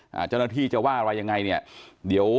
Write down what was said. เจ้าหน้าที่จะว่าอะไรยังไงเนี่ยเดี๋ยว